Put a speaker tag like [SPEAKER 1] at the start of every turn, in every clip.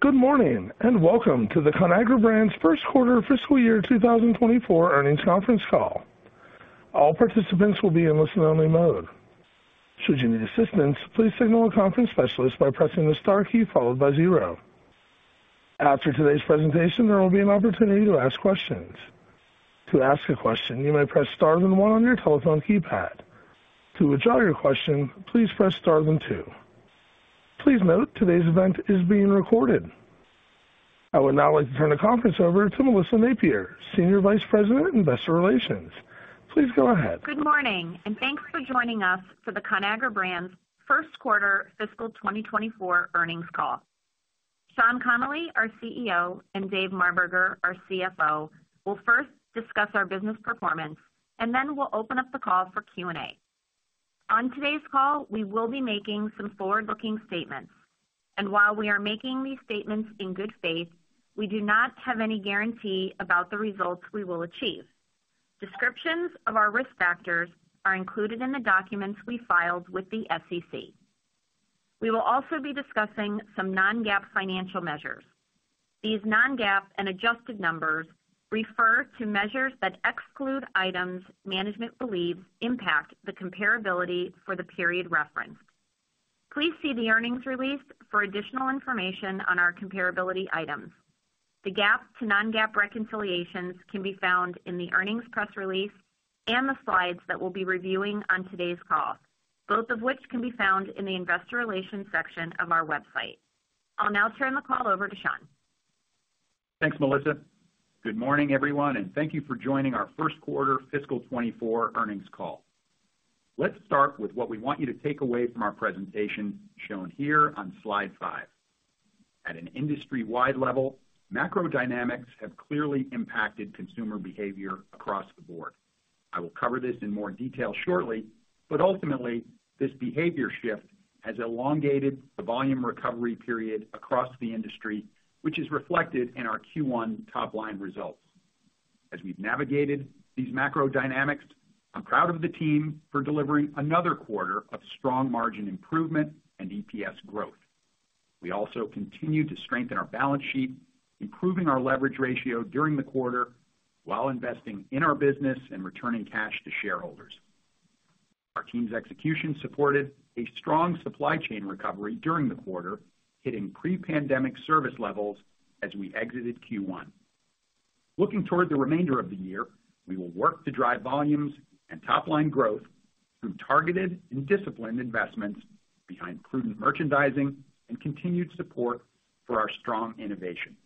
[SPEAKER 1] Good morning, and welcome to the Conagra Brands first quarter fiscal year 2024 earnings conference call. All participants will be in listen-only mode. Should you need assistance, please signal a conference specialist by pressing the * key followed by 0. After today's presentation, there will be an opportunity to ask questions. To ask a question, you may press Star then 1 on your telephone keypad. To withdraw your question, please press Star then 2. Please note, today's event is being recorded. I would now like to turn the conference over to Melissa Napier, Senior Vice President, Investor Relations. Please go ahead.
[SPEAKER 2] Good morning, and thanks for joining us for the Conagra Brands first quarter fiscal 2024 earnings call. Sean Connolly, our CEO, and Dave Marberger, our CFO, will first discuss our business performance, and then we'll open up the call for Q&A. On today's call, we will be making some forward-looking statements, and while we are making these statements in good faith, we do not have any guarantee about the results we will achieve. Descriptions of our risk factors are included in the documents we filed with the SEC. We will also be discussing some non-GAAP financial measures. These non-GAAP and adjusted numbers refer to measures that exclude items management believes impact the comparability for the period referenced. Please see the earnings release for additional information on our comparability items. The GAAP to non-GAAP reconciliations can be found in the earnings press release and the slides that we'll be reviewing on today's call, both of which can be found in the Investor Relations section of our website. I'll now turn the call over to Sean.
[SPEAKER 3] Thanks, Melissa. Good morning, everyone, and thank you for joining our first quarter fiscal 2024 earnings call. Let's start with what we want you to take away from our presentation, shown here on slide 5. At an industry-wide level, macro dynamics have clearly impacted consumer behavior across the board. I will cover this in more detail shortly, but ultimately, this behavior shift has elongated the volume recovery period across the industry, which is reflected in our Q1 top-line results. As we've navigated these macro dynamics, I'm proud of the team for delivering another quarter of strong margin improvement and EPS growth. We also continue to strengthen our balance sheet, improving our leverage ratio during the quarter, while investing in our business and returning cash to shareholders. Our team's execution supported a strong supply chain recovery during the quarter, hitting pre-pandemic service levels as we exited Q1. Looking toward the remainder of the year, we will work to drive volumes and top-line growth through targeted and disciplined investments behind prudent merchandising and continued support for our strong innovation.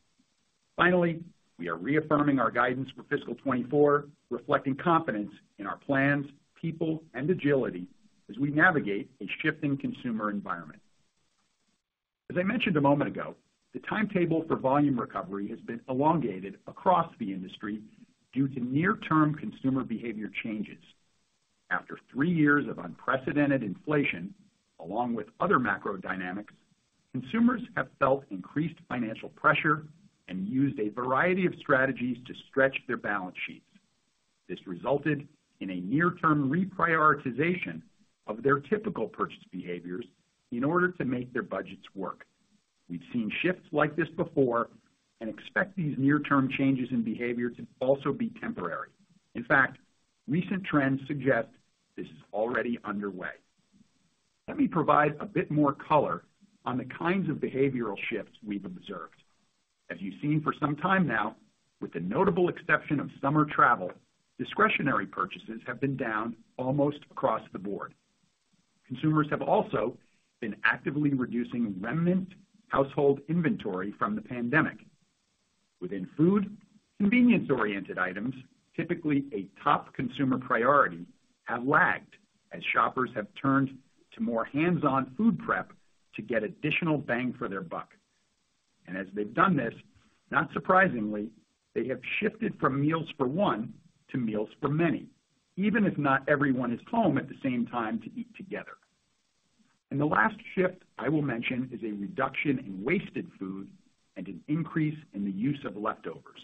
[SPEAKER 3] Finally, we are reaffirming our guidance for fiscal 2024, reflecting confidence in our plans, people, and agility as we navigate a shifting consumer environment. As I mentioned a moment ago, the timetable for volume recovery has been elongated across the industry due to near-term consumer behavior changes. After three years of unprecedented inflation, along with other macro dynamics, consumers have felt increased financial pressure and used a variety of strategies to stretch their balance sheets. This resulted in a near-term reprioritization of their typical purchase behaviors in order to make their budgets work. We've seen shifts like this before and expect these near-term changes in behavior to also be temporary. In fact, recent trends suggest this is already underway. Let me provide a bit more color on the kinds of behavioral shifts we've observed. As you've seen for some time now, with the notable exception of summer travel, discretionary purchases have been down almost across the board. Consumers have also been actively reducing remnant household inventory from the pandemic. Within food, convenience-oriented items, typically a top consumer priority, have lagged as shoppers have turned to more hands-on food prep to get additional bang for their buck. And as they've done this, not surprisingly, they have shifted from meals for one to meals for many, even if not everyone is home at the same time to eat together. And the last shift I will mention is a reduction in wasted food and an increase in the use of leftovers.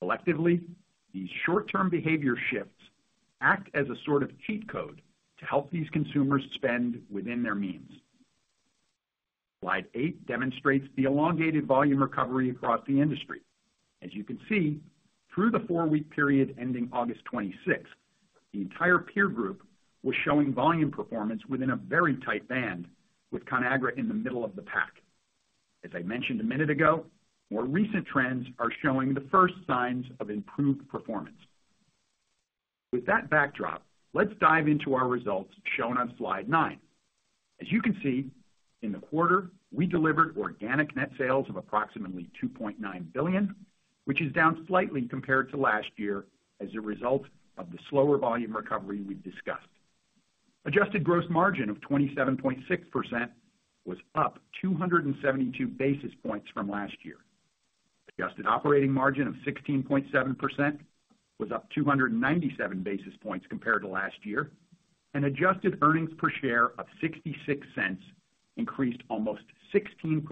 [SPEAKER 3] Collectively, these short-term behavior shifts act as a sort of cheat code to help these consumers spend within their means. Slide 8 demonstrates the elongated volume recovery across the industry. As you can see, through the four-week period ending August twenty-sixth, the entire peer group was showing volume performance within a very tight band, with Conagra in the middle of the pack. As I mentioned a minute ago, more recent trends are showing the first signs of improved performance. With that backdrop, let's dive into our results, shown on slide 9. As you can see, in the quarter, we delivered organic net sales of approximately $2.9 billion, which is down slightly compared to last year as a result of the slower volume recovery we've discussed. Adjusted gross margin of 27.6% was up 272 basis points from last year. Adjusted operating margin of 16.7% was up 297 basis points compared to last year, and adjusted earnings per share of $0.66 increased almost 16%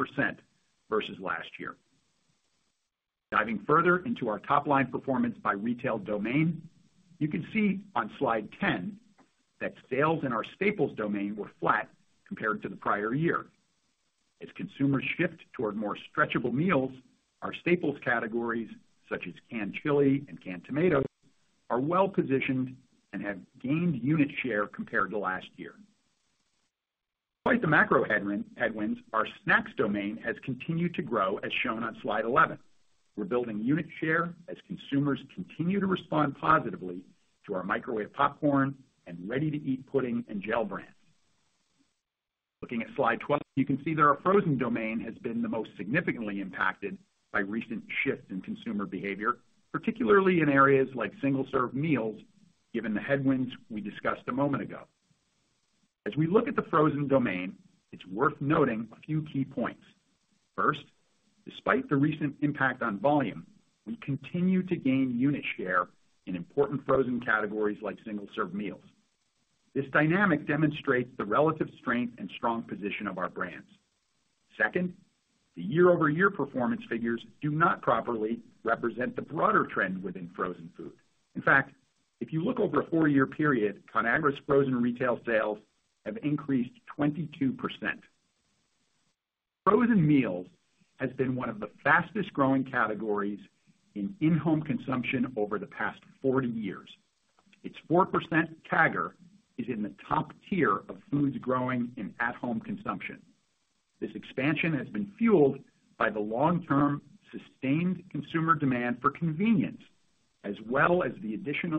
[SPEAKER 3] versus last year. Diving further into our top line performance by retail domain, you can see on Slide 10, that sales in our staples domain were flat compared to the prior year. As consumers shift toward more stretchable meals, our staples categories, such as canned chili and canned tomatoes, are well positioned and have gained unit share compared to last year. Despite the macro headwinds, our snacks domain has continued to grow, as shown on Slide 11. We're building unit share as consumers continue to respond positively to our microwave popcorn and ready-to-eat pudding and gel brands. Looking at Slide 12, you can see that our frozen domain has been the most significantly impacted by recent shifts in consumer behavior, particularly in areas like single-serve meals, given the headwinds we discussed a moment ago. As we look at the frozen domain, it's worth noting a few key points. First, despite the recent impact on volume, we continue to gain unit share in important frozen categories like single-serve meals. This dynamic demonstrates the relative strength and strong position of our brands. Second, the year-over-year performance figures do not properly represent the broader trend within frozen food. In fact, if you look over a 4-year period, Conagra's frozen retail sales have increased 22%. Frozen meals has been one of the fastest growing categories in in-home consumption over the past 40 years. Its 4% CAGR is in the top tier of foods growing in at-home consumption. This expansion has been fueled by the long-term, sustained consumer demand for convenience, as well as the addition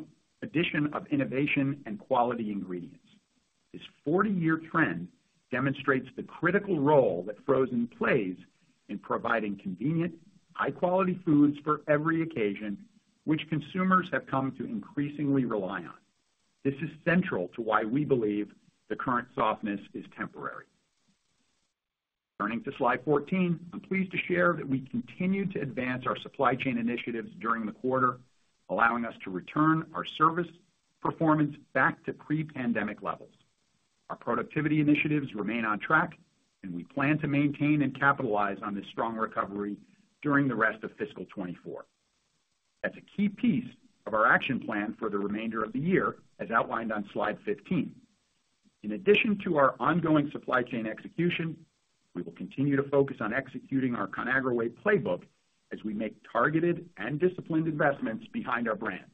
[SPEAKER 3] of innovation and quality ingredients. This 40-year trend demonstrates the critical role that frozen plays in providing convenient, high-quality foods for every occasion, which consumers have come to increasingly rely on. This is central to why we believe the current softness is temporary. Turning to Slide 14, I'm pleased to share that we continue to advance our supply chain initiatives during the quarter, allowing us to return our service performance back to pre-pandemic levels. Our productivity initiatives remain on track, and we plan to maintain and capitalize on this strong recovery during the rest of fiscal 2024. That's a key piece of our action plan for the remainder of the year, as outlined on Slide 15. In addition to our ongoing supply chain execution, we will continue to focus on executing our Conagra Way playbook as we make targeted and disciplined investments behind our brands.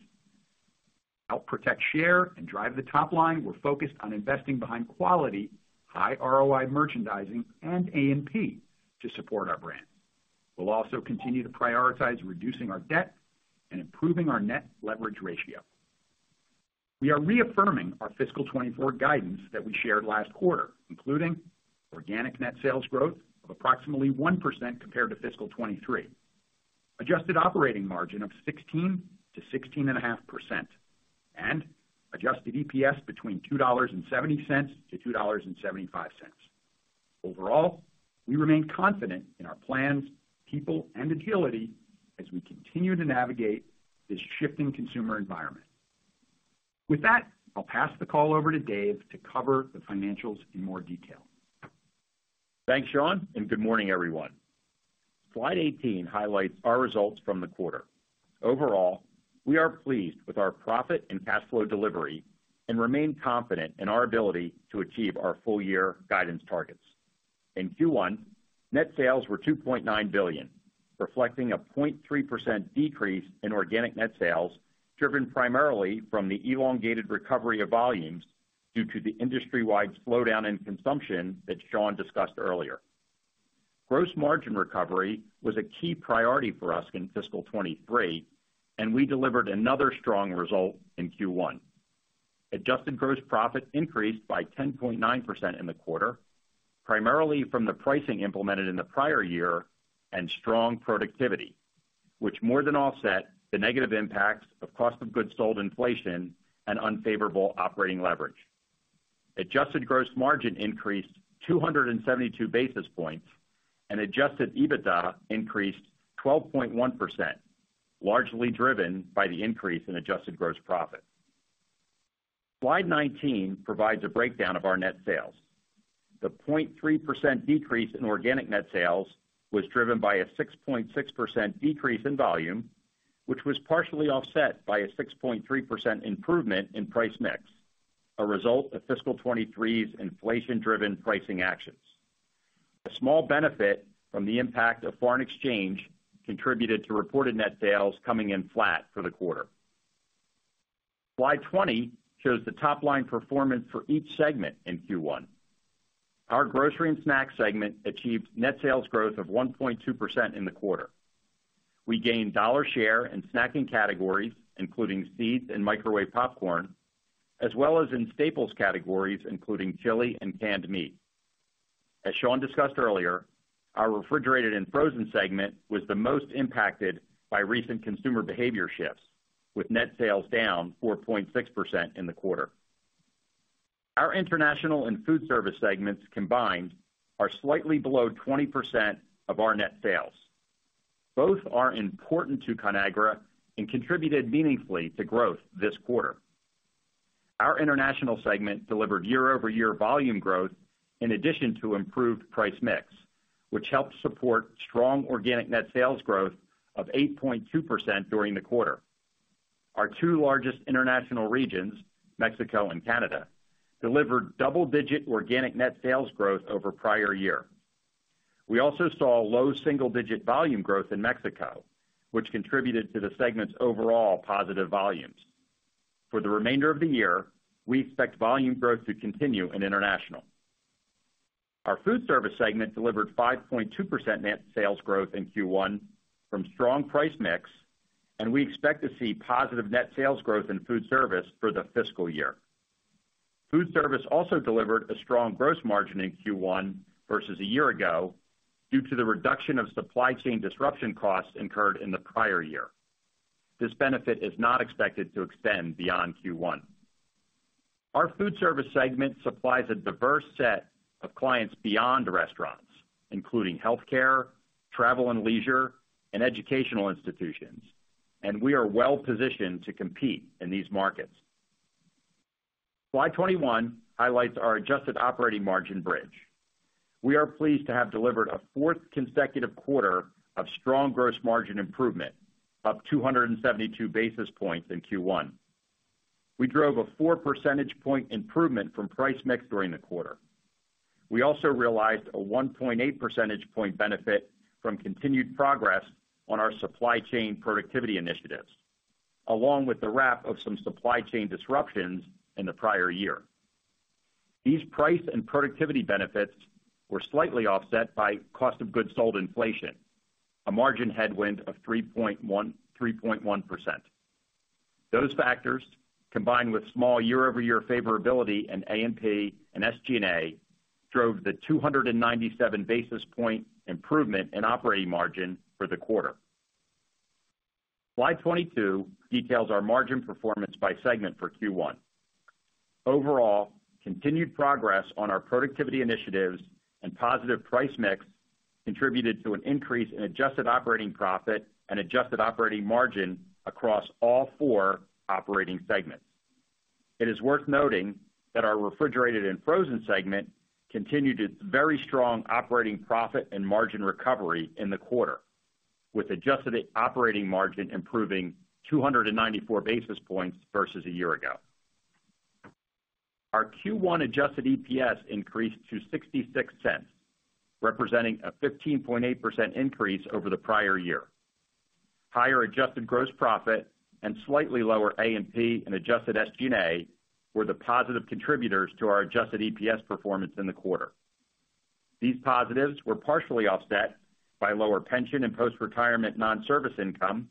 [SPEAKER 3] Help protect share and drive the top line, we're focused on investing behind quality, high ROI merchandising and A&P to support our brand. We'll also continue to prioritize reducing our debt and improving our net leverage ratio. We are reaffirming our fiscal 2024 guidance that we shared last quarter, including organic net sales growth of approximately 1% compared to fiscal 2023, adjusted operating margin of 16%-16.5%, and adjusted EPS between $2.70 and $2.75. Overall, we remain confident in our plans, people, and agility as we continue to navigate this shifting consumer environment. With that, I'll pass the call over to Dave to cover the financials in more detail.
[SPEAKER 4] Thanks, Sean, and good morning, everyone. Slide 18 highlights our results from the quarter. Overall, we are pleased with our profit and cash flow delivery and remain confident in our ability to achieve our full-year guidance targets. In Q1, net sales were $2.9 billion, reflecting a 0.3% decrease in organic net sales, driven primarily from the elongated recovery of volumes due to the industry-wide slowdown in consumption that Sean discussed earlier. Gross margin recovery was a key priority for us in fiscal 2023, and we delivered another strong result in Q1. Adjusted gross profit increased by 10.9% in the quarter, primarily from the pricing implemented in the prior year and strong productivity, which more than offset the negative impacts of cost of goods sold inflation and unfavorable operating leverage. Adjusted gross margin increased 272 basis points, and adjusted EBITDA increased 12.1%, largely driven by the increase in adjusted gross profit. Slide 19 provides a breakdown of our net sales. The 0.3% decrease in organic net sales was driven by a 6.6% decrease in volume, which was partially offset by a 6.3% improvement in price mix, a result of fiscal 2023's inflation-driven pricing actions. A small benefit from the impact of foreign exchange contributed to reported net sales coming in flat for the quarter. Slide 20 shows the top line performance for each segment in Q1. Our grocery and snack segment achieved net sales growth of 1.2% in the quarter. We gained dollar share in snacking categories, including seeds and microwave popcorn, as well as in staples categories, including chili and canned meat. As Sean discussed earlier, our refrigerated and frozen segment was the most impacted by recent consumer behavior shifts, with net sales down 4.6% in the quarter. Our international and Foodservice segments combined are slightly below 20% of our net sales. Both are important to Conagra and contributed meaningfully to growth this quarter. Our international segment delivered year-over-year volume growth in addition to improved price mix, which helped support strong organic net sales growth of 8.2% during the quarter. Our two largest international regions, Mexico and Canada, delivered double-digit organic net sales growth over prior year. We also saw low single-digit volume growth in Mexico, which contributed to the segment's overall positive volumes. For the remainder of the year, we expect volume growth to continue in international. Our Foodservice segment delivered 5.2% net sales growth in Q1 from strong price mix, and we expect to see positive net sales growth in Foodservice for the fiscal year. Food service also delivered a strong gross margin in Q1 versus a year ago, due to the reduction of supply chain disruption costs incurred in the prior year. This benefit is not expected to extend beyond Q1. Our Foodservice segment supplies a diverse set of clients beyond restaurants, including healthcare, travel and leisure, and educational institutions, and we are well positioned to compete in these markets. Slide 21 highlights our adjusted operating margin bridge. We are pleased to have delivered a fourth consecutive quarter of strong gross margin improvement, up 272 basis points in Q1. We drove a 4 percentage point improvement from price mix during the quarter. We also realized a 1.8 percentage point benefit from continued progress on our supply chain productivity initiatives, along with the wrap of some supply chain disruptions in the prior year. These price and productivity benefits were slightly offset by cost of goods sold inflation, a margin headwind of 3.1%. Those factors, combined with small year-over-year favorability in A&P and SG&A, drove the 297 basis point improvement in operating margin for the quarter. Slide 22 details our margin performance by segment for Q1. Overall, continued progress on our productivity initiatives and positive price mix contributed to an increase in adjusted operating profit and adjusted operating margin across all four operating segments. It is worth noting that our refrigerated and frozen segment continued its very strong operating profit and margin recovery in the quarter, with adjusted operating margin improving 294 basis points versus a year ago. Our Q1 adjusted EPS increased to $0.66, representing a 15.8% increase over the prior year. Higher adjusted gross profit and slightly lower A&P and adjusted SG&A were the positive contributors to our adjusted EPS performance in the quarter. These positives were partially offset by lower pension and post-retirement non-service income,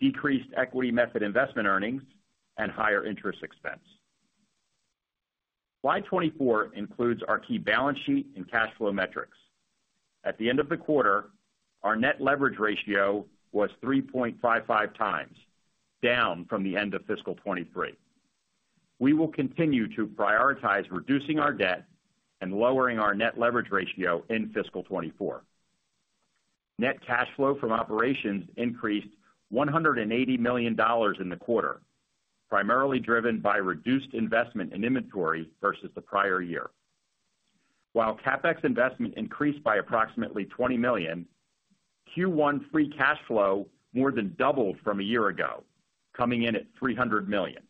[SPEAKER 4] decreased equity method investment earnings, and higher interest expense. Slide 24 includes our key balance sheet and cash flow metrics. At the end of the quarter, our net leverage ratio was 3.55 times, down from the end of fiscal 2023. We will continue to prioritize reducing our debt and lowering our net leverage ratio in fiscal 2024. Net cash flow from operations increased $180 million in the quarter, primarily driven by reduced investment in inventory versus the prior year. While CapEx investment increased by approximately $20 million, Q1 free cash flow more than doubled from a year ago, coming in at $300 million.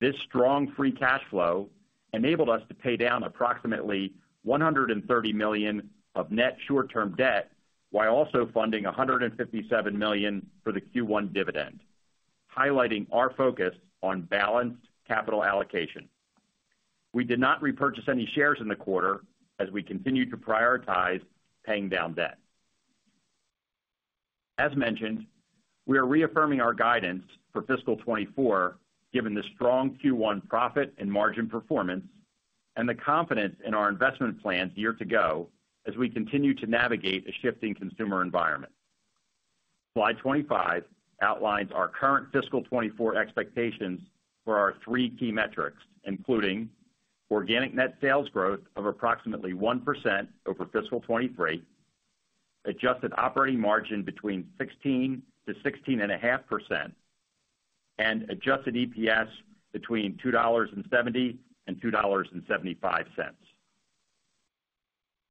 [SPEAKER 4] This strong free cash flow enabled us to pay down approximately $130 million of net short-term debt, while also funding $157 million for the Q1 dividend, highlighting our focus on balanced capital allocation. We did not repurchase any shares in the quarter as we continued to prioritize paying down debt. As mentioned, we are reaffirming our guidance for fiscal 2024, given the strong Q1 profit and margin performance and the confidence in our investment plans year to go as we continue to navigate a shifting consumer environment. Slide 25 outlines our current fiscal 2024 expectations for our three key metrics, including organic net sales growth of approximately 1% over fiscal 2023, adjusted operating margin between 16%-16.5%, and adjusted EPS between $2.70 and $2.75.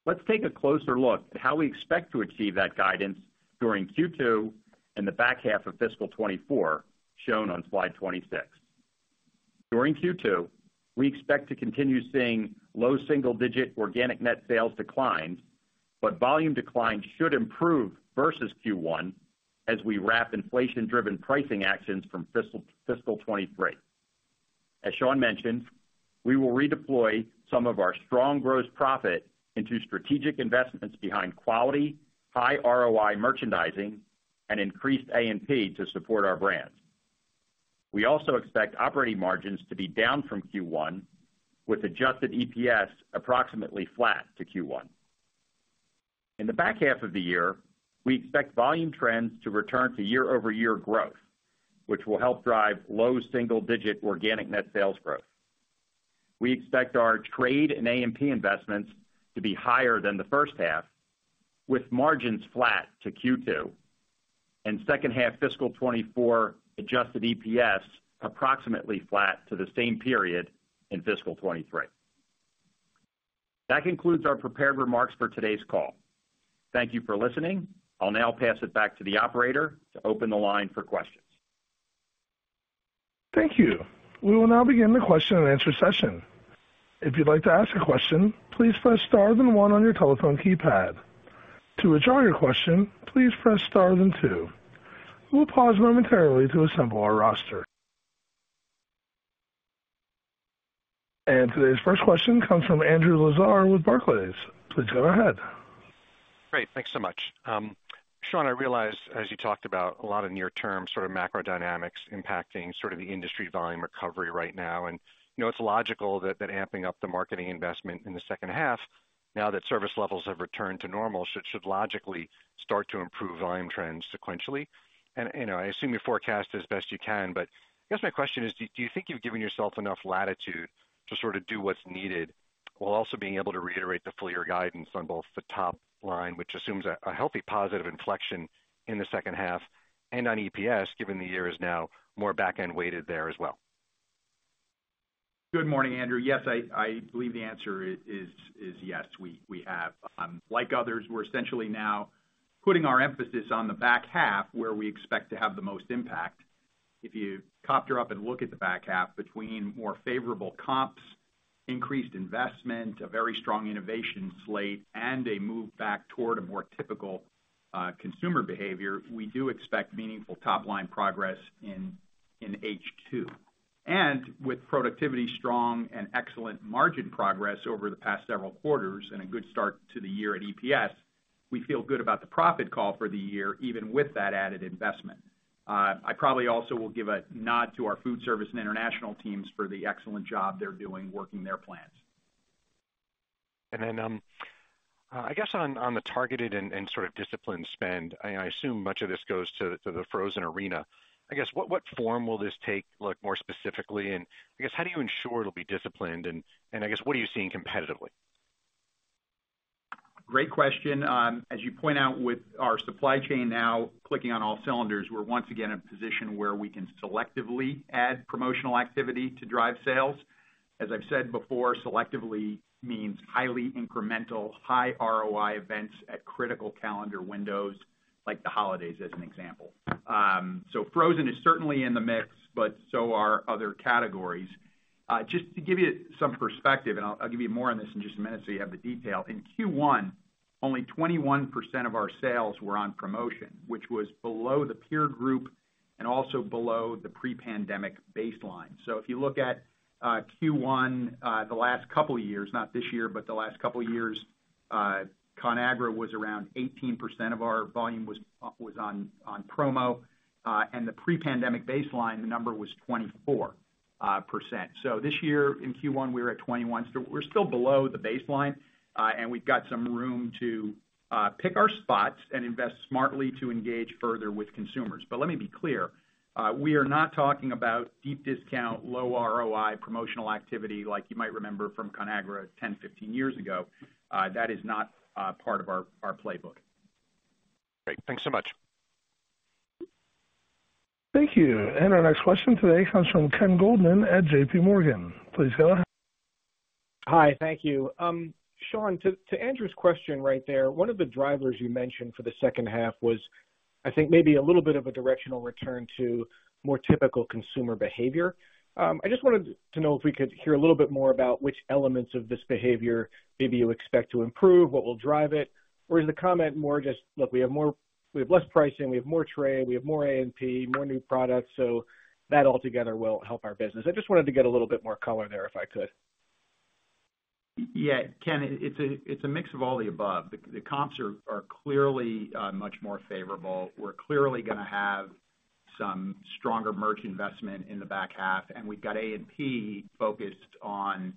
[SPEAKER 4] Let's take a closer look at how we expect to achieve that guidance during Q2 and the back half of fiscal 2024, shown on slide 26. During Q2, we expect to continue seeing low single-digit organic net sales declines, but volume declines should improve versus Q1 as we wrap inflation-driven pricing actions from fiscal 2023. As Sean mentioned, we will redeploy some of our strong gross profit into strategic investments behind quality, high ROI merchandising, and increased A&P to support our brands. We also expect operating margins to be down from Q1, with adjusted EPS approximately flat to Q1. In the back half of the year, we expect volume trends to return to year-over-year growth, which will help drive low single-digit organic net sales growth....
[SPEAKER 3] We expect our trade and A&P investments to be higher than the first half, with margins flat to Q2, and second half fiscal 2024 adjusted EPS approximately flat to the same period in fiscal 2023. That concludes our prepared remarks for today's call. Thank you for listening. I'll now pass it back to the operator to open the line for questions.
[SPEAKER 1] Thank you. We will now begin the question and answer session. If you'd like to ask a question, please press Star then one on your telephone keypad. To withdraw your question, please press Star then two. We'll pause momentarily to assemble our roster. Today's first question comes from Andrew Lazar with Barclays. Please go ahead.
[SPEAKER 5] Great, thanks so much. Sean, I realize, as you talked about a lot of near-term sort of macro dynamics impacting sort of the industry volume recovery right now, and, you know, it's logical that amping up the marketing investment in the second half, now that service levels have returned to normal, should logically start to improve volume trends sequentially. And, you know, I assume you forecast as best you can, but I guess my question is, do you think you've given yourself enough latitude to sort of do what's needed while also being able to reiterate the full year guidance on both the top line, which assumes a healthy, positive inflection in the second half and on EPS, given the year is now more back-end weighted there as well?
[SPEAKER 3] Good morning, Andrew. Yes, I believe the answer is, yes, we have. Like others, we're essentially now putting our emphasis on the back half, where we expect to have the most impact. If you copter up and look at the back half between more favorable comps, increased investment, a very strong innovation slate, and a move back toward a more typical, consumer behavior, we do expect meaningful top line progress in H2. With productivity strong and excellent margin progress over the past several quarters and a good start to the year at EPS, we feel good about the profit call for the year, even with that added investment. I probably also will give a nod to our Foodservice and international teams for the excellent job they're doing working their plans.
[SPEAKER 5] And then, I guess on the targeted and sort of disciplined spend, I assume much of this goes to the frozen arena. I guess, what form will this take, look more specifically? And I guess, how do you ensure it'll be disciplined? And I guess, what are you seeing competitively?
[SPEAKER 3] Great question. As you point out, with our supply chain now clicking on all cylinders, we're once again in a position where we can selectively add promotional activity to drive sales. As I've said before, selectively means highly incremental, high ROI events at critical calendar windows, like the holidays, as an example. So frozen is certainly in the mix, but so are other categories. Just to give you some perspective, and I'll give you more on this in just a minute so you have the detail. In Q1, only 21% of our sales were on promotion, which was below the peer group and also below the pre-pandemic baseline. So if you look at Q1, the last couple of years, not this year, but the last couple of years, Conagra was around 18% of our volume was on promo, and the pre-pandemic baseline, the number was 24%. So this year, in Q1, we were at 21%, so we're still below the baseline, and we've got some room to pick our spots and invest smartly to engage further with consumers. But let me be clear, we are not talking about deep discount, low ROI, promotional activity like you might remember from Conagra 10, 15 years ago. That is not part of our playbook.
[SPEAKER 5] Great. Thanks so much.
[SPEAKER 1] Thank you. Our next question today comes from Ken Goldman at JP Morgan. Please go ahead.
[SPEAKER 6] Hi, thank you. Sean, to Andrew's question right there, one of the drivers you mentioned for the second half was, I think, maybe a little bit of a directional return to more typical consumer behavior. I just wanted to know if we could hear a little bit more about which elements of this behavior maybe you expect to improve, what will drive it, or is the comment more just: Look, we have more-- we have less pricing, we have more trade, we have more A&P, more new products, so that altogether will help our business. I just wanted to get a little bit more color there, if I could.
[SPEAKER 3] Yeah, Ken, it's a, it's a mix of all the above. The, the comps are, are clearly, much more favorable. We're clearly gonna have some stronger merch investment in the back half, and we've got A&P focused on,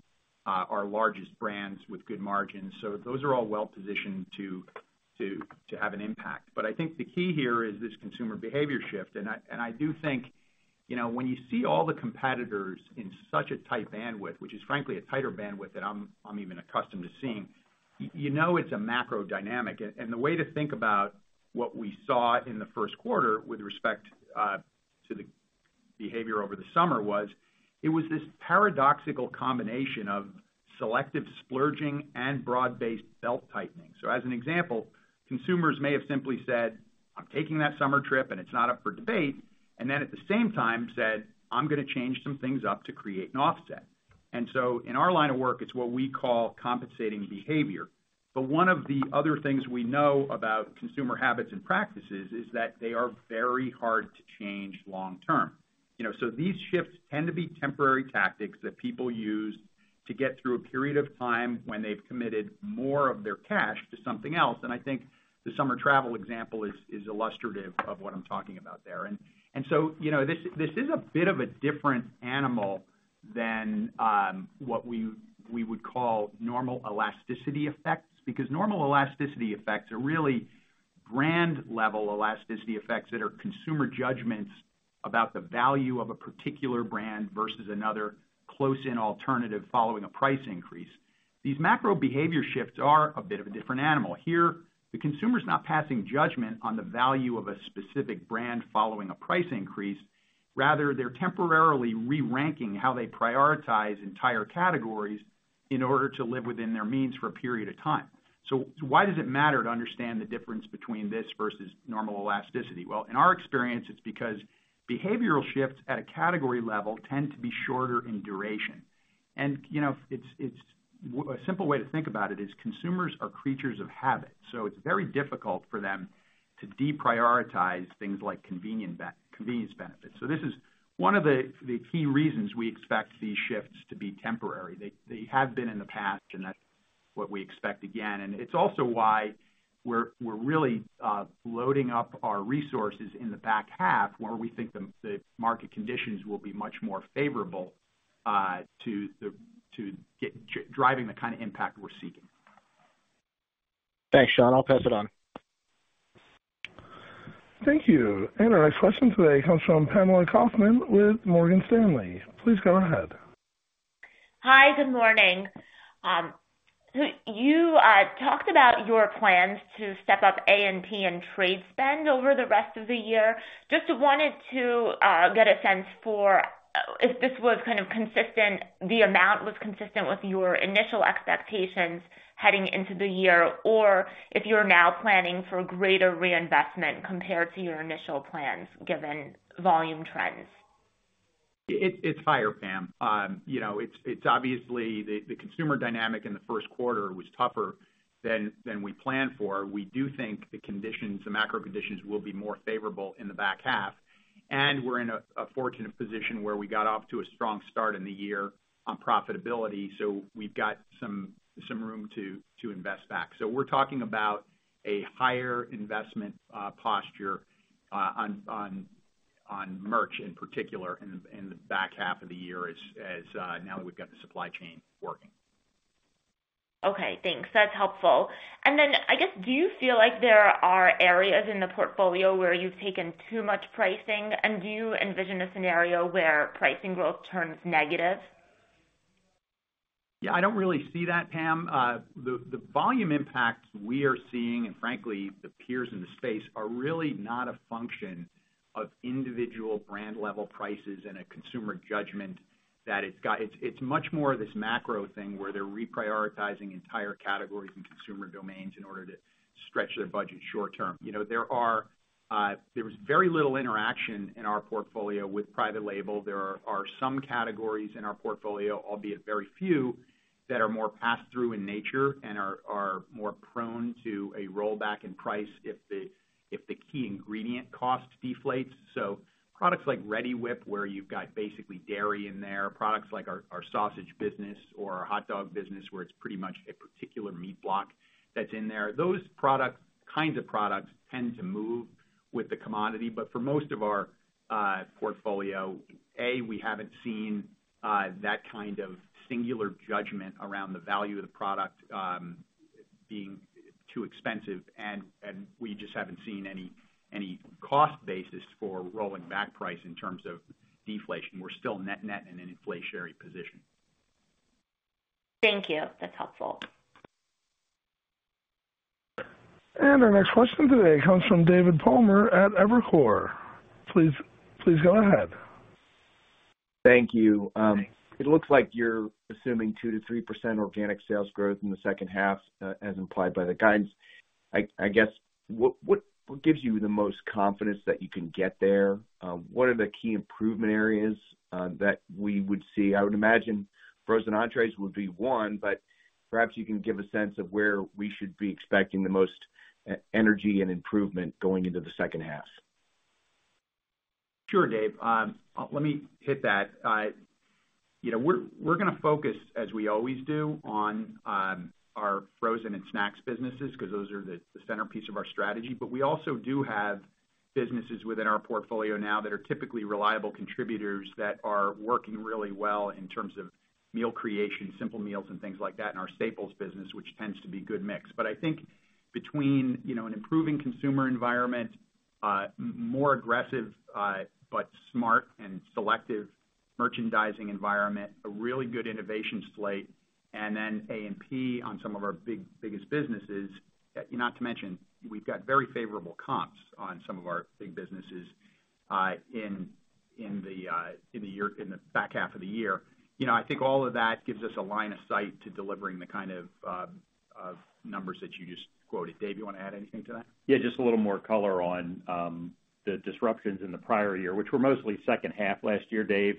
[SPEAKER 3] our largest brands with good margins, so those are all well positioned to, to, to have an impact. But I think the key here is this consumer behavior shift, and I, and I do think, you know, when you see all the competitors in such a tight bandwidth, which is frankly a tighter bandwidth than I'm, I'm even accustomed to seeing, you know it's a macro dynamic. And, and the way to think about what we saw in the first quarter with respect, to the behavior over the summer was, it was this paradoxical combination of selective splurging and broad-based belt-tightening. As an example, consumers may have simply said, "I'm taking that summer trip, and it's not up for debate." And then at the same time said, "I'm gonna change some things up to create an offset." And so in our line of work, it's what we call compensating behavior. But one of the other things we know about consumer habits and practices is that they are very hard to change long-term. You know, so these shifts tend to be temporary tactics that people use to get through a period of time when they've committed more of their cash to something else. And I think the summer travel example is illustrative of what I'm talking about there. So, you know, this is a bit of a different animal than what we would call normal elasticity effects, because normal elasticity effects are really brand-level elasticity effects that are consumer judgments... about the value of a particular brand versus another close-in alternative following a price increase. These macro behavior shifts are a bit of a different animal. Here, the consumer's not passing judgment on the value of a specific brand following a price increase. Rather, they're temporarily re-ranking how they prioritize entire categories in order to live within their means for a period of time. So why does it matter to understand the difference between this versus normal elasticity? Well, in our experience, it's because behavioral shifts at a category level tend to be shorter in duration. You know, it's a simple way to think about it is consumers are creatures of habit, so it's very difficult for them to deprioritize things like convenience benefits. So this is one of the key reasons we expect these shifts to be temporary. They have been in the past, and that's what we expect again. And it's also why we're really loading up our resources in the back half, where we think the market conditions will be much more favorable to driving the kind of impact we're seeking.
[SPEAKER 4] Thanks, Sean. I'll pass it on.
[SPEAKER 1] Thank you. Our next question today comes from Pamela Kaufman with Morgan Stanley. Please go ahead.
[SPEAKER 7] Hi, good morning. So you talked about your plans to step up A&P and trade spend over the rest of the year. Just wanted to get a sense for if this was kind of consistent, the amount was consistent with your initial expectations heading into the year, or if you're now planning for greater reinvestment compared to your initial plans, given volume trends.
[SPEAKER 3] It's higher, Pam. You know, it's obviously the consumer dynamic in the first quarter was tougher than we planned for. We do think the conditions, the macro conditions, will be more favorable in the back half, and we're in a fortunate position where we got off to a strong start in the year on profitability, so we've got some room to invest back. So we're talking about a higher investment posture on merch in particular, in the back half of the year, as now we've got the supply chain working.
[SPEAKER 7] Okay, thanks. That's helpful. And then, I guess, do you feel like there are areas in the portfolio where you've taken too much pricing? And do you envision a scenario where pricing growth turns negative?
[SPEAKER 3] Yeah, I don't really see that, Pam. The volume impacts we are seeing, and frankly, the peers in the space, are really not a function of individual brand level prices and a consumer judgment, that it's got, it's much more of this macro thing, where they're reprioritizing entire categories and consumer domains in order to stretch their budget short term. You know, there was very little interaction in our portfolio with private label. There are some categories in our portfolio, albeit very few, that are more pass-through in nature and are more prone to a rollback in price if the key ingredient cost deflates. So products like Reddi-wip, where you've got basically dairy in there, products like our sausage business or our hot dog business, where it's pretty much a particular meat block that's in there. Those products, kinds of products, tend to move with the commodity. But for most of our portfolio, we haven't seen that kind of singular judgment around the value of the product being too expensive, and we just haven't seen any cost basis for rolling back price in terms of deflation. We're still net in an inflationary position.
[SPEAKER 7] Thank you. That's helpful.
[SPEAKER 1] Our next question today comes from David Palmer at Evercore. Please, please go ahead.
[SPEAKER 8] Thank you. It looks like you're assuming 2%-3% organic sales growth in the second half, as implied by the guidance. I guess what gives you the most confidence that you can get there? What are the key improvement areas that we would see? I would imagine frozen entrees would be one, but perhaps you can give a sense of where we should be expecting the most energy and improvement going into the second half.
[SPEAKER 3] Sure, Dave. Let me hit that. You know, we're gonna focus, as we always do, on our frozen and snacks businesses, because those are the centerpiece of our strategy. But we also do have businesses within our portfolio now that are typically reliable contributors, that are working really well in terms of meal creation, simple meals and things like that, in our staples business, which tends to be good mix. But I think between, you know, an improving consumer environment, more aggressive, but smart and selective merchandising environment, a really good innovation slate, and then A&P on some of our biggest businesses. Not to mention, we've got very favorable comps on some of our big businesses in the back half of the year. You know, I think all of that gives us a line of sight to delivering the kind of, of numbers that you just quoted. Dave, you want to add anything to that?
[SPEAKER 4] Yeah, just a little more color on the disruptions in the prior year, which were mostly second half last year, Dave.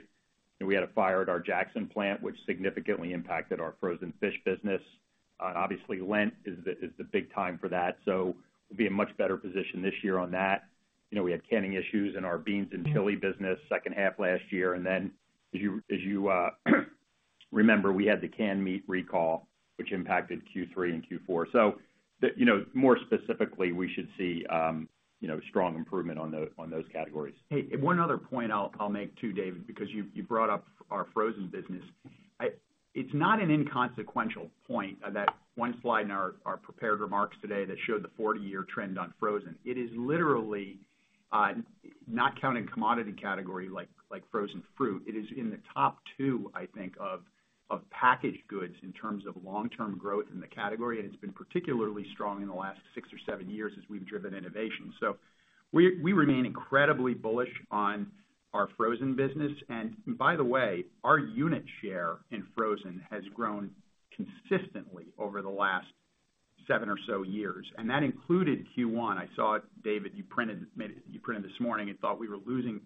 [SPEAKER 4] And we had a fire at our Jackson plant, which significantly impacted our frozen fish business. Obviously, Lent is the big time for that, so we'll be in a much better position this year on that. You know, we had canning issues in our beans and chili business, second half last year. And then, as you remember, we had the canned meat recall, which impacted Q3 and Q4. So the... You know, more specifically, we should see strong improvement on those categories.
[SPEAKER 3] Hey, and one other point I'll, I'll make, too, David, because you, you brought up our frozen business. It's not an inconsequential point that one slide in our, our prepared remarks today that showed the 40-year trend on frozen. It is literally not counting commodity category like frozen fruit, it is in the top two, I think, of packaged goods in terms of long-term growth in the category, and it's been particularly strong in the last six or seven years as we've driven innovation. So we, we remain incredibly bullish on our frozen business. And by the way, our unit share in frozen has grown consistently over the last seven or so years, and that included Q1. I saw it, David, you printed it, you printed this morning and thought we were losing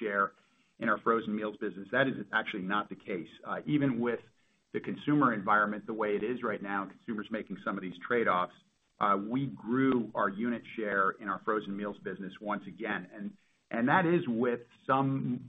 [SPEAKER 3] share in our frozen meals business. That is actually not the case. Even with the consumer environment, the way it is right now, consumers making some of these trade-offs, we grew our unit share in our frozen meals business once again. And that is with some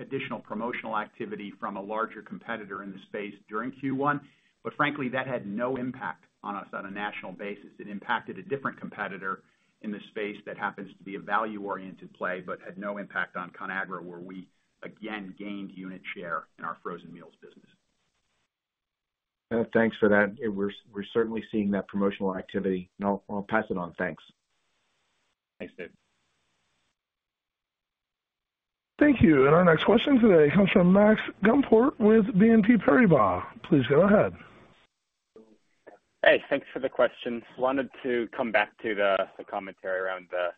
[SPEAKER 3] additional promotional activity from a larger competitor in the space during Q1. But frankly, that had no impact on us on a national basis. It impacted a different competitor in the space that happens to be a value-oriented play, but had no impact on Conagra, where we again gained unit share in our frozen meals business.
[SPEAKER 8] Thanks for that. We're certainly seeing that promotional activity. And I'll pass it on. Thanks.
[SPEAKER 3] Thanks, David.
[SPEAKER 1] Thank you. Our next question today comes from Max Gumport with BNP Paribas. Please go ahead.
[SPEAKER 9] Hey, thanks for the questions. Wanted to come back to the commentary around the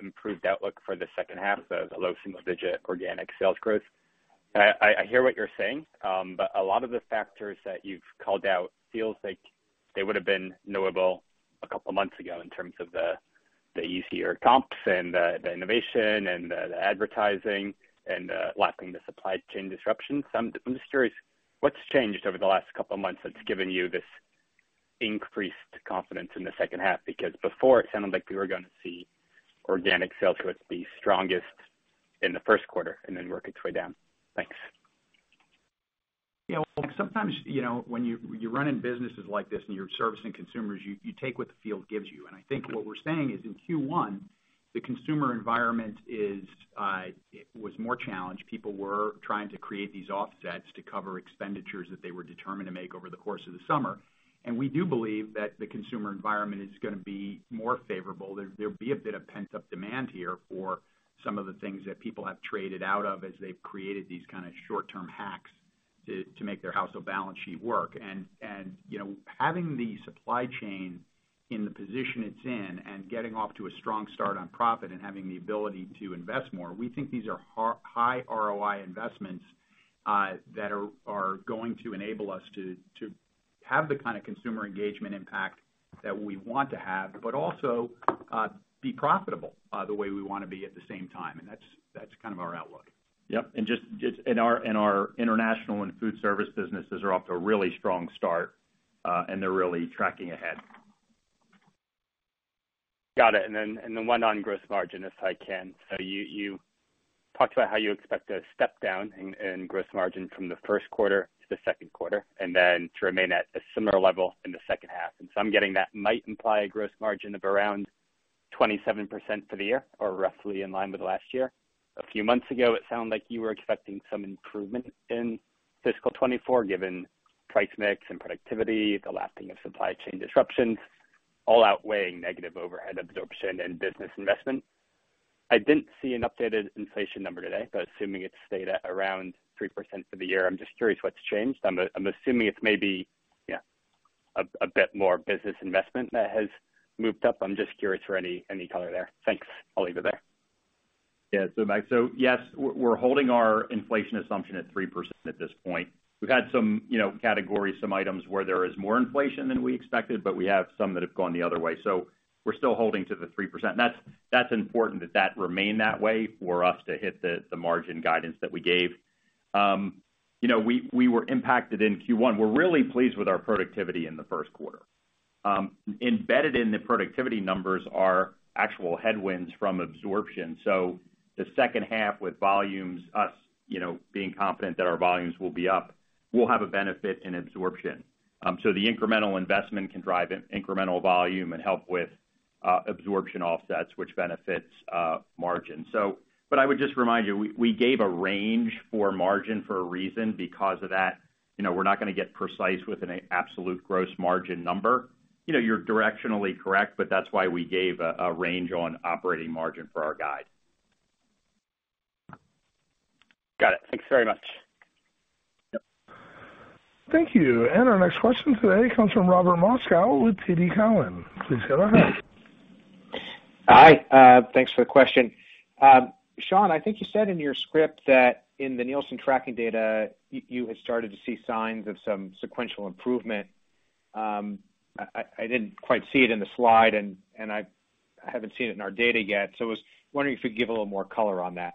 [SPEAKER 9] improved outlook for the second half, the low single-digit organic sales growth. I hear what you're saying, but a lot of the factors that you've called out feels like they would have been knowable a couple of months ago in terms of the easier comps and the innovation and the advertising and lacking the supply chain disruption. So I'm just curious, what's changed over the last couple of months that's given you this increased confidence in the second half? Because before, it sounded like we were gonna see organic sales growth be strongest in the first quarter and then work its way down. Thanks.
[SPEAKER 3] Yeah, well, sometimes, you know, when you're running businesses like this and you're servicing consumers, you take what the field gives you. And I think what we're saying is, in Q1, the consumer environment was more challenged. People were trying to create these offsets to cover expenditures that they were determined to make over the course of the summer. And we do believe that the consumer environment is gonna be more favorable. There'll be a bit of pent-up demand here for some of the things that people have traded out of as they've created these kinda short-term hacks to make their household balance sheet work. You know, having the supply chain in the position it's in and getting off to a strong start on profit and having the ability to invest more, we think these are high ROI investments that are going to enable us to have the kind of consumer engagement impact that we want to have, but also be profitable the way we wanna be at the same time. That's kind of our outlook.
[SPEAKER 8] Yep, and our international and Foodservice businesses are off to a really strong start, and they're really tracking ahead.
[SPEAKER 9] Got it. Then one on gross margin, if I can. You talked about how you expect a step down in gross margin from the first quarter to the second quarter, and then to remain at a similar level in the second half. I'm getting that might imply a gross margin of around 27% for the year or roughly in line with last year. A few months ago, it sounded like you were expecting some improvement in fiscal 2024, given price mix and productivity, the lasting of supply chain disruptions, all outweighing negative overhead absorption and business investment. I didn't see an updated inflation number today, but assuming it's stayed at around 3% for the year, I'm just curious what's changed. I'm assuming it's maybe, yeah, a bit more business investment that has moved up. I'm just curious for any, any color there. Thanks. I'll leave it there.
[SPEAKER 3] Yeah. So, Max, so yes, we're, we're holding our inflation assumption at 3% at this point. We've had some, you know, categories, some items where there is more inflation than we expected, but we have some that have gone the other way. So we're still holding to the 3%. That's, that's important that that remain that way for us to hit the, the margin guidance that we gave. You know, we, we were impacted in Q1. We're really pleased with our productivity in the first quarter. Embedded in the productivity numbers are actual headwinds from absorption. So the second half with volumes, us, you know, being confident that our volumes will be up, we'll have a benefit in absorption. So the incremental investment can drive in incremental volume and help with absorption offsets, which benefits margin. But I would just remind you, we gave a range for margin for a reason. Because of that, you know, we're not gonna get precise with an absolute gross margin number. You know, you're directionally correct, but that's why we gave a range on operating margin for our guide.
[SPEAKER 9] Got it. Thanks very much.
[SPEAKER 3] Yep.
[SPEAKER 1] Thank you. Our next question today comes from Robert Moskow with TD Cowen. Please go ahead.
[SPEAKER 10] Hi, thanks for the question. Sean, I think you said in your script that in the Nielsen tracking data, you had started to see signs of some sequential improvement. I didn't quite see it in the slide, and I haven't seen it in our data yet, so I was wondering if you could give a little more color on that.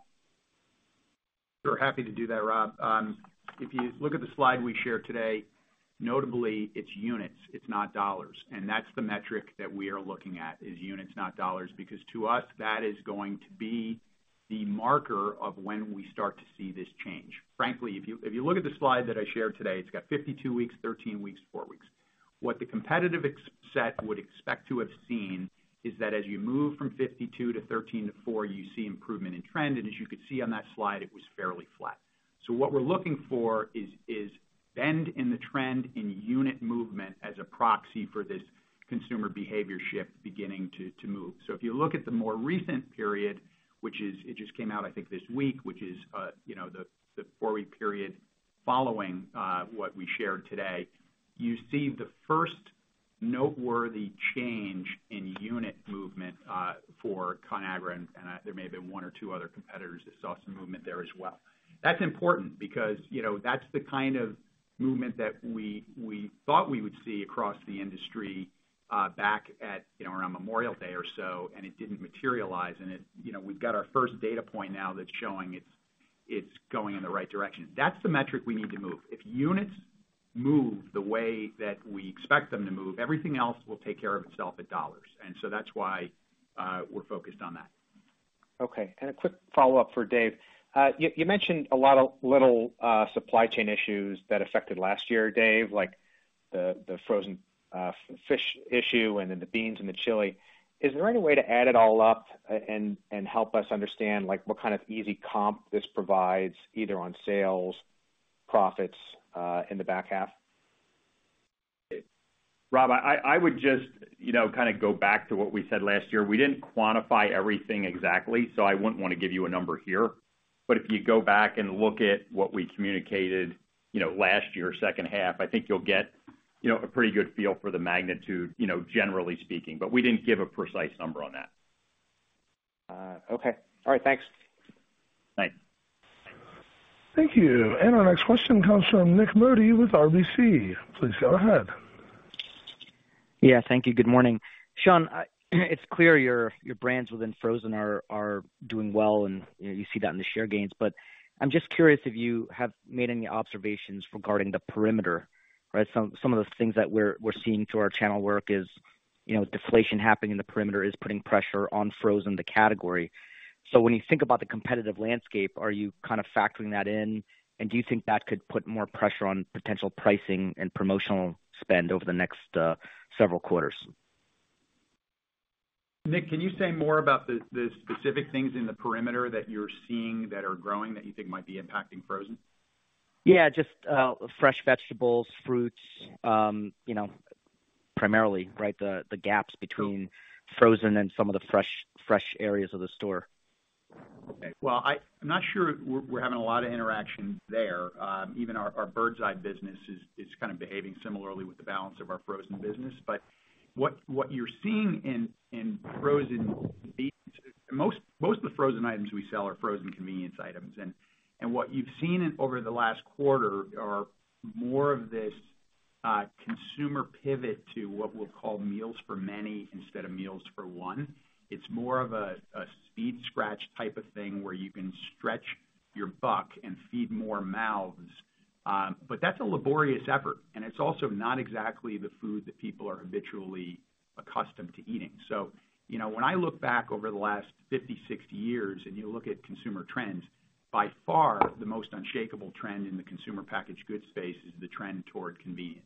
[SPEAKER 3] Sure, happy to do that, Rob. If you look at the slide we shared today, notably, it's units, it's not dollars. And that's the metric that we are looking at, is units, not dollars, because to us, that is going to be the marker of when we start to see this change. Frankly, if you look at the slide that I shared today, it's got 52 weeks, 13 weeks, 4 weeks. What the competitive set would expect to have seen is that as you move from 52 to 13 to 4, you see improvement in trend, and as you can see on that slide, it was fairly flat.... So what we're looking for is bend in the trend in unit movement as a proxy for this consumer behavior shift beginning to move. So if you look at the more recent period, which is—it just came out, I think, this week, which is, you know, the four-week period following what we shared today, you see the first noteworthy change in unit movement for Conagra, and there may have been one or two other competitors that saw some movement there as well. That's important because, you know, that's the kind of movement that we thought we would see across the industry back at, you know, around Memorial Day or so, and it didn't materialize. And it—you know, we've got our first data point now that's showing it's going in the right direction. That's the metric we need to move. If units move the way that we expect them to move, everything else will take care of itself at dollars, and so that's why, we're focused on that.
[SPEAKER 10] Okay, and a quick follow-up for Dave. You mentioned a lot of little supply chain issues that affected last year, Dave, like the frozen fish issue and then the beans and the chili. Is there any way to add it all up and help us understand, like, what kind of easy comp this provides, either on sales, profits, in the back half?
[SPEAKER 4] Rob, I would just, you know, kind of go back to what we said last year. We didn't quantify everything exactly, so I wouldn't want to give you a number here. But if you go back and look at what we communicated, you know, last year, second half, I think you'll get, you know, a pretty good feel for the magnitude, you know, generally speaking, but we didn't give a precise number on that.
[SPEAKER 10] Okay. All right, thanks.
[SPEAKER 4] Bye.
[SPEAKER 1] Thank you. Our next question comes from Nick Modi with RBC. Please go ahead.
[SPEAKER 11] Yeah, thank you. Good morning. Sean, it's clear your brands within frozen are doing well, and, you know, you see that in the share gains. But I'm just curious if you have made any observations regarding the perimeter, right? Some of the things that we're seeing through our channel work is, you know, deflation happening in the perimeter is putting pressure on frozen, the category. So when you think about the competitive landscape, are you kind of factoring that in, and do you think that could put more pressure on potential pricing and promotional spend over the next several quarters?
[SPEAKER 3] Nick, can you say more about the specific things in the perimeter that you're seeing that are growing, that you think might be impacting frozen?
[SPEAKER 11] Yeah, just fresh vegetables, fruits, you know, primarily, right? The gaps between frozen and some of the fresh areas of the store.
[SPEAKER 3] Okay. Well, I'm not sure we're having a lot of interaction there. Even our Birds Eye business is kind of behaving similarly with the balance of our frozen business. What you're seeing in frozen is, most of the frozen items we sell are frozen convenience items. What you've seen over the last quarter are more of this consumer pivot to what we'll call meals for many instead of meals for one. It's more of a speed scratch type of thing, where you can stretch your buck and feed more mouths. That's a laborious effort, and it's also not exactly the food that people are habitually accustomed to eating. So you know, when I look back over the last 50, 60 years, and you look at consumer trends, by far, the most unshakable trend in the consumer packaged goods space is the trend toward convenience.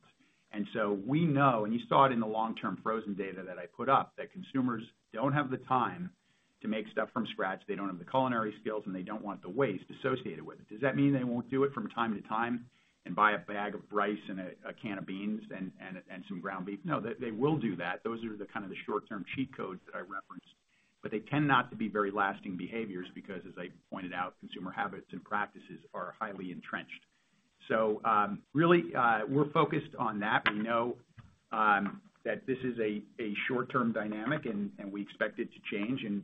[SPEAKER 3] And so we know, and you saw it in the long-term frozen data that I put up, that consumers don't have the time to make stuff from scratch. They don't have the culinary skills, and they don't want the waste associated with it. Does that mean they won't do it from time to time and buy a bag of rice and a can of beans and some ground beef? No, they will do that. Those are the kind of the short-term cheat codes that I referenced, but they tend not to be very lasting behaviors because, as I pointed out, consumer habits and practices are highly entrenched. So, really, we're focused on that. We know that this is a short-term dynamic, and we expect it to change, and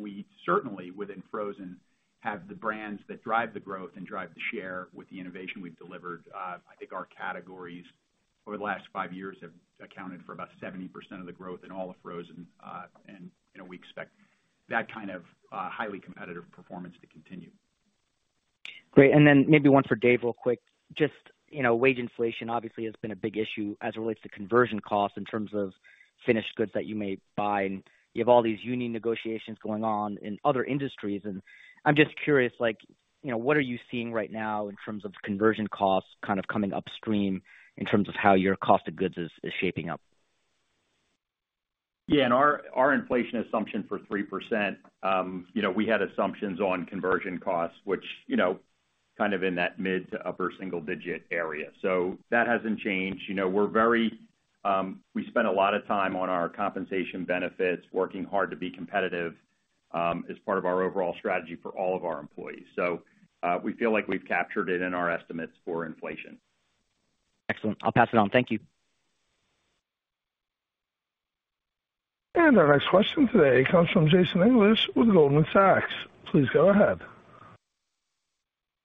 [SPEAKER 3] we certainly, within frozen, have the brands that drive the growth and drive the share with the innovation we've delivered. I think our categories over the last five years have accounted for about 70% of the growth in all of frozen. And, you know, we expect that kind of highly competitive performance to continue.
[SPEAKER 11] Great. And then maybe one for Dave, real quick: Just, you know, wage inflation obviously has been a big issue as it relates to conversion costs in terms of finished goods that you may buy, and you have all these union negotiations going on in other industries. And I'm just curious, like, you know, what are you seeing right now in terms of conversion costs kind of coming upstream in terms of how your cost of goods is shaping up?
[SPEAKER 4] Yeah, and our inflation assumption for 3%, you know, we had assumptions on conversion costs, which, you know, kind of in that mid- to upper-single-digit area. So that hasn't changed. You know, we're very... We spend a lot of time on our compensation benefits, working hard to be competitive, as part of our overall strategy for all of our employees. So, we feel like we've captured it in our estimates for inflation.
[SPEAKER 11] Excellent. I'll pass it on. Thank you.
[SPEAKER 1] Our next question today comes from Jason English, with Goldman Sachs. Please go ahead.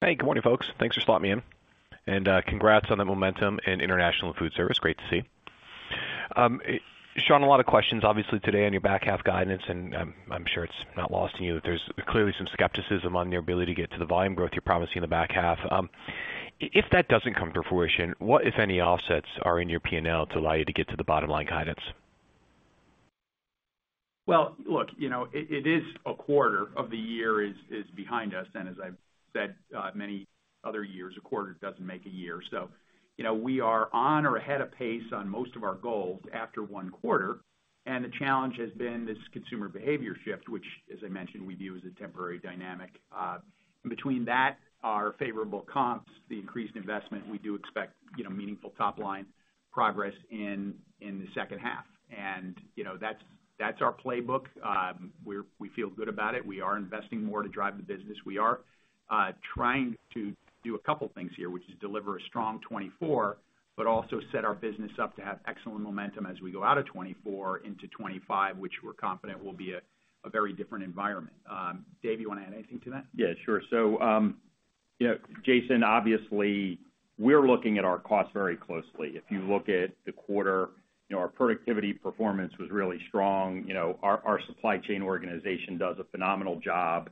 [SPEAKER 12] Hey, good morning, folks. Thanks for slotting me in. And, congrats on the momentum in International Food Service. Great to see. Sean, a lot of questions, obviously, today on your back half guidance, and, I'm sure it's not lost to you that there's clearly some skepticism on your ability to get to the volume growth you're promising in the back half. If that doesn't come to fruition, what, if any, offsets are in your P&L to allow you to get to the bottom line guidance?...
[SPEAKER 3] Well, look, you know, it is a quarter of the year behind us, and as I've said, many other years, a quarter doesn't make a year. So, you know, we are on or ahead of pace on most of our goals after one quarter, and the challenge has been this consumer behavior shift, which, as I mentioned, we view as a temporary dynamic. Between that, our favorable comps, the increased investment, we do expect, you know, meaningful top line progress in the second half. And, you know, that's our playbook. We feel good about it. We are investing more to drive the business. We are trying to do a couple things here, which is deliver a strong 2024, but also set our business up to have excellent momentum as we go out of 2024 into 2025, which we're confident will be a very different environment. Dave, you wanna add anything to that?
[SPEAKER 4] Yeah, sure. So, you know, Jason, obviously, we're looking at our costs very closely. If you look at the quarter, you know, our productivity performance was really strong. You know, our supply chain organization does a phenomenal job,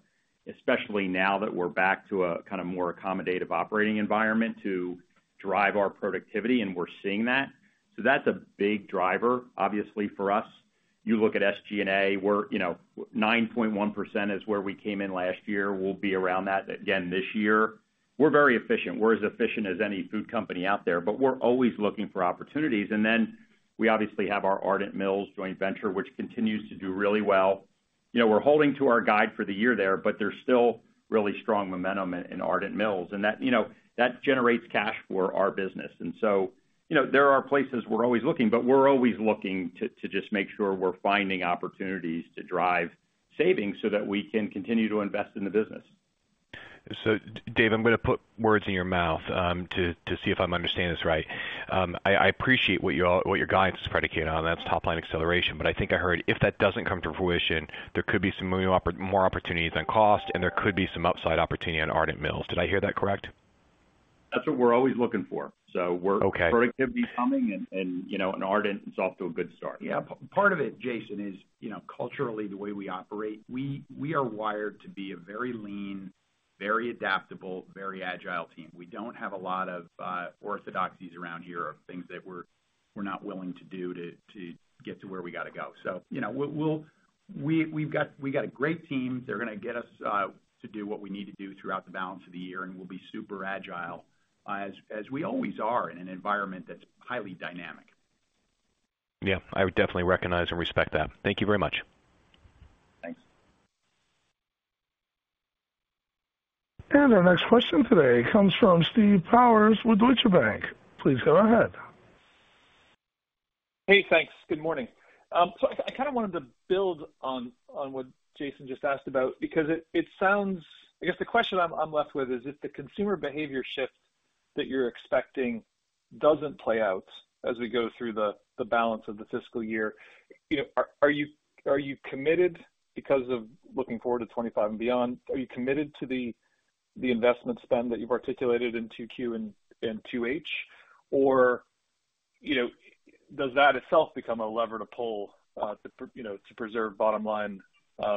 [SPEAKER 4] especially now that we're back to a kind of more accommodative operating environment to drive our productivity, and we're seeing that. So that's a big driver, obviously, for us. You look at SG&A, we're, you know, 9.1% is where we came in last year. We'll be around that again this year. We're very efficient. We're as efficient as any food company out there, but we're always looking for opportunities. And then we obviously have our Ardent Mills joint venture, which continues to do really well. You know, we're holding to our guide for the year there, but there's still really strong momentum in Ardent Mills, and that, you know, that generates cash for our business. And so, you know, there are places we're always looking, but we're always looking to just make sure we're finding opportunities to drive savings so that we can continue to invest in the business.
[SPEAKER 12] So Dave, I'm gonna put words in your mouth to see if I'm understanding this right. I appreciate what you all—what your guidance is predicated on, that's top line acceleration. But I think I heard if that doesn't come to fruition, there could be some more opportunities on cost, and there could be some upside opportunity on Ardent Mills. Did I hear that correct?
[SPEAKER 4] That's what we're always looking for. So we're-
[SPEAKER 12] Okay.
[SPEAKER 4] Productivity is coming, and you know, Ardent is off to a good start.
[SPEAKER 3] Yeah, part of it, Jason, is, you know, culturally, the way we operate, we are wired to be a very lean, very adaptable, very agile team. We don't have a lot of orthodoxies around here or things that we're not willing to do to get to where we gotta go. So, you know, we'll, we've got a great team. They're gonna get us to do what we need to do throughout the balance of the year, and we'll be super agile as we always are in an environment that's highly dynamic.
[SPEAKER 12] Yeah, I would definitely recognize and respect that. Thank you very much.
[SPEAKER 3] Thanks.
[SPEAKER 1] Our next question today comes from Steve Powers with Deutsche Bank. Please go ahead.
[SPEAKER 13] Hey, thanks. Good morning. So I kinda wanted to build on what Jason just asked about, because it sounds... I guess the question I'm left with is, if the consumer behavior shift that you're expecting doesn't play out as we go through the balance of the fiscal year, you know, are you committed because of looking forward to 25 and beyond, are you committed to the investment spend that you've articulated in 2Q and 2H? Or, you know, does that itself become a lever to pull, you know, to preserve bottom line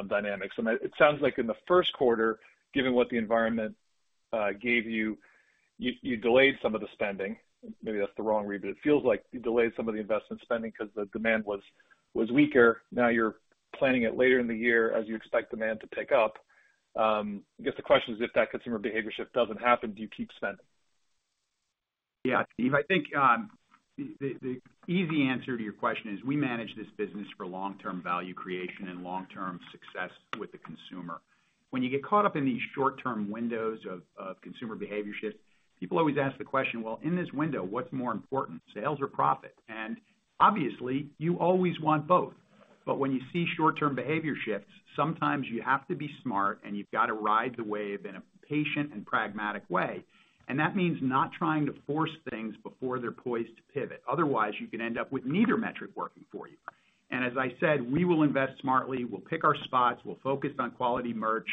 [SPEAKER 13] dynamics? And it sounds like in the first quarter, given what the environment gave you, you delayed some of the spending. Maybe that's the wrong read, but it feels like you delayed some of the investment spending because the demand was weaker. Now you're planning it later in the year as you expect demand to pick up. I guess the question is, if that consumer behavior shift doesn't happen, do you keep spending?
[SPEAKER 3] Yeah, Steve, I think, the easy answer to your question is, we manage this business for long-term value creation and long-term success with the consumer. When you get caught up in these short-term windows of consumer behavior shifts, people always ask the question: "Well, in this window, what's more important, sales or profit?" And obviously, you always want both. But when you see short-term behavior shifts, sometimes you have to be smart, and you've got to ride the wave in a patient and pragmatic way. And that means not trying to force things before they're poised to pivot. Otherwise, you could end up with neither metric working for you. As I said, we will invest smartly, we'll pick our spots, we'll focus on quality merch,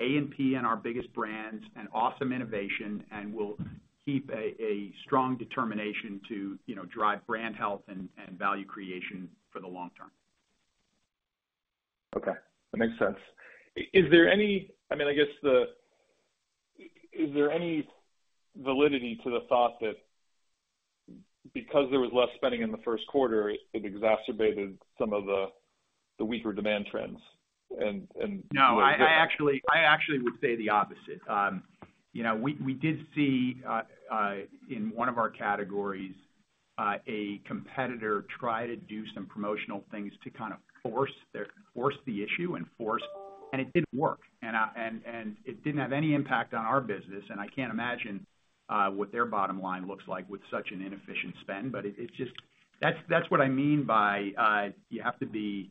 [SPEAKER 3] A&P and our biggest brands, and awesome innovation, and we'll keep a strong determination to, you know, drive brand health and value creation for the long term.
[SPEAKER 13] Okay, that makes sense. Is there any—I mean, I guess the... Is there any validity to the thought that because there was less spending in the first quarter, it exacerbated some of the weaker demand trends and
[SPEAKER 3] No, I actually would say the opposite. You know, we did see in one of our categories a competitor try to do some promotional things to kind of force the issue and force- and it didn't work, and it didn't have any impact on our business, and I can't imagine what their bottom line looks like with such an inefficient spend. But it's just... That's what I mean by you have to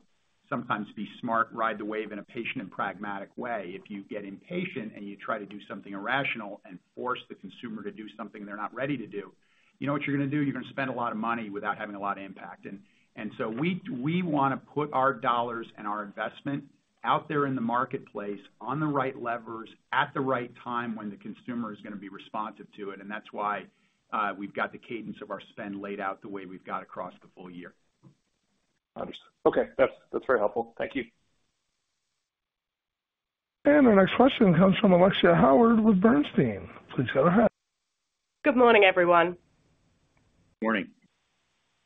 [SPEAKER 3] sometimes be smart, ride the wave in a patient and pragmatic way. If you get impatient and you try to do something irrational and force the consumer to do something they're not ready to do, you know what you're gonna do? You're gonna spend a lot of money without having a lot of impact. And so we wanna put our dollars and our investment out there in the marketplace, on the right levers, at the right time, when the consumer is gonna be responsive to it, and that's why we've got the cadence of our spend laid out the way we've got across the full year.
[SPEAKER 13] Understood. Okay. That's, that's very helpful. Thank you.
[SPEAKER 1] Our next question comes from Alexia Howard with Bernstein. Please go ahead.
[SPEAKER 14] Good morning, everyone.
[SPEAKER 3] Morning.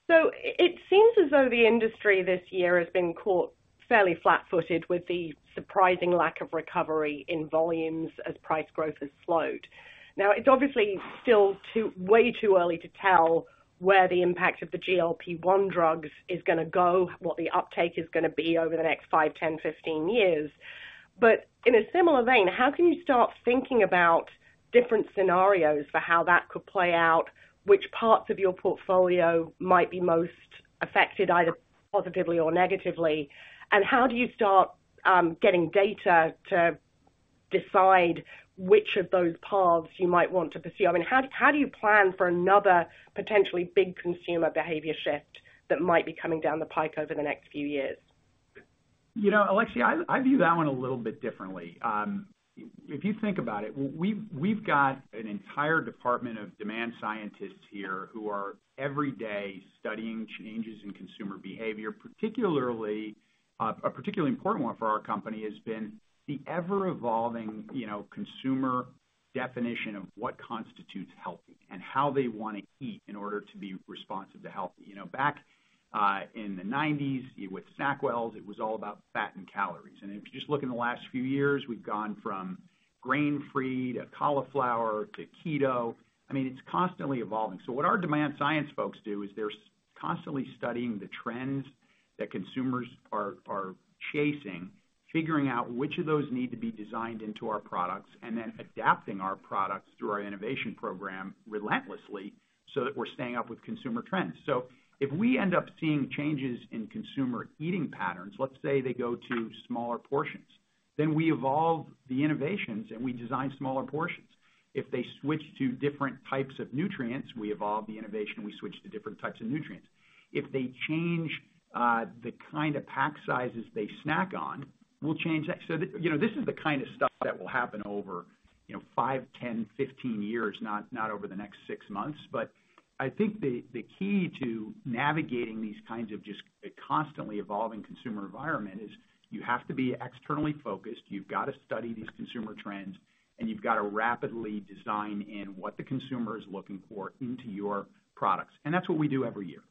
[SPEAKER 14] So it seems as though the industry this year has been caught fairly flat-footed with the surprising lack of recovery in volumes as price growth has slowed. Now, it's obviously still way too early to tell where the impact of the GLP-1 drugs is gonna go, what the uptake is gonna be over the next 5, 10, 15 years. But in a similar vein, how can you start thinking about different scenarios for how that could play out? Which parts of your portfolio might be most affected, either positively or negatively? And how do you start getting data to decide which of those paths you might want to pursue? I mean, how do you plan for another potentially big consumer behavior shift that might be coming down the pike over the next few years?
[SPEAKER 3] You know, Alexia, I view that one a little bit differently. If you think about it, we've got an entire department of demand scientists here who are every day studying changes in consumer behavior, particularly... a particularly important one for our company has been the ever-evolving, you know, consumer definition of what constitutes healthy and how they wanna eat in order to be responsive to healthy. You know, back in the nineties, with SnackWell's, it was all about fat and calories. If you just look in the last few years, we've gone from grain-free to cauliflower to keto. I mean, it's constantly evolving. So what our demand science folks do, is they're constantly studying the trends that consumers are chasing, figuring out which of those need to be designed into our products, and then adapting our products through our innovation program relentlessly, so that we're staying up with consumer trends. So if we end up seeing changes in consumer eating patterns, let's say they go to smaller portions, then we evolve the innovations, and we design smaller portions. If they switch to different types of nutrients, we evolve the innovation, we switch to different types of nutrients. If they change the kind of pack sizes they snack on, we'll change that. So, you know, this is the kind of stuff that will happen over, you know, 5, 10, 15 years, not over the next 6 months. But I think the key to navigating these kinds of just constantly evolving consumer environment is you have to be externally focused, you've got to study these consumer trends, and you've got to rapidly design in what the consumer is looking for into your products. That's what we do every year.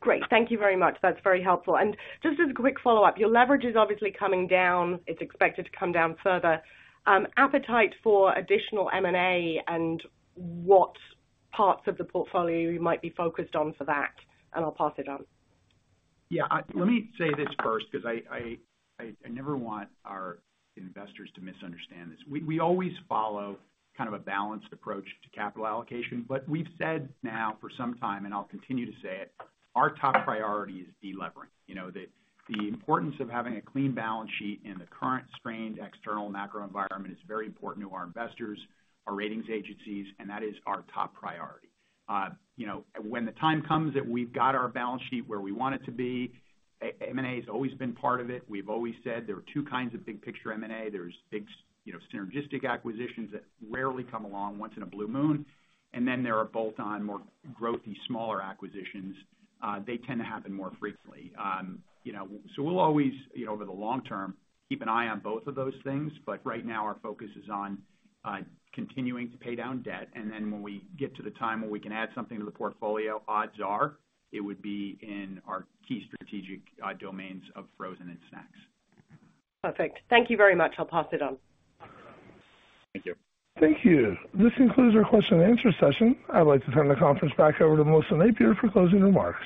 [SPEAKER 14] Great. Thank you very much. That's very helpful. Just as a quick follow-up, your leverage is obviously coming down. It's expected to come down further. Appetite for additional M&A and what parts of the portfolio you might be focused on for that, and I'll pass it on?
[SPEAKER 3] Yeah, let me say this first, 'cause I never want our investors to misunderstand this. We always follow kind of a balanced approach to capital allocation, but we've said now for some time, and I'll continue to say it, our top priority is delevering. You know, the importance of having a clean balance sheet in the current strained external macro environment is very important to our investors, our ratings agencies, and that is our top priority. You know, when the time comes that we've got our balance sheet where we want it to be, and M&A has always been part of it. We've always said there are two kinds of big picture M&A. There's big, you know, synergistic acquisitions that rarely come along, once in a blue moon. And then there are bolt-on, more growthy, smaller acquisitions. They tend to happen more frequently. You know, so we'll always, you know, over the long term, keep an eye on both of those things, but right now, our focus is on continuing to pay down debt, and then when we get to the time where we can add something to the portfolio, odds are it would be in our key strategic domains of frozen and snacks.
[SPEAKER 14] Perfect. Thank you very much. I'll pass it on.
[SPEAKER 3] Thank you.
[SPEAKER 1] Thank you. This concludes our question and answer session. I'd like to turn the conference back over to Melissa Napier for closing remarks.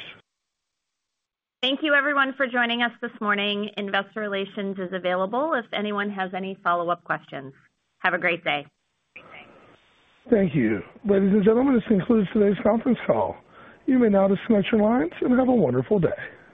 [SPEAKER 2] Thank you, everyone, for joining us this morning. Investor Relations is available if anyone has any follow-up questions. Have a great day.
[SPEAKER 14] Great, thanks.
[SPEAKER 1] Thank you. Ladies and gentlemen, this concludes today's conference call. You may now disconnect your lines, and have a wonderful day.